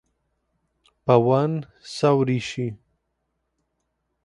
Pawan sau Rishi?